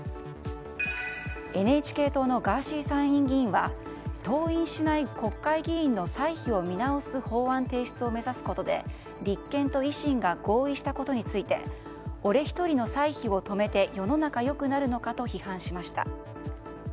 ＮＨＫ党のガーシー参院議員は登院しない国会議員の歳費を見直す法案提出を目指すことで立憲と維新が合意したことについて俺１人の歳費を止めて世の中良くなるのかと批判しました。